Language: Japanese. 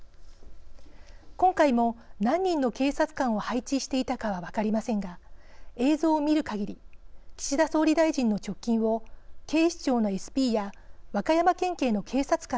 今回も何人の警察官を配置していたかは分かりませんが映像を見るかぎり岸田総理大臣の直近を警視庁のＳＰや和歌山県警の警察官が固めています。